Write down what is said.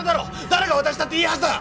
誰が渡したっていいはずだ！